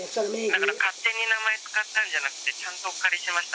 だから勝手に名義を使ったんじゃなくて、ちゃんとお借りしました。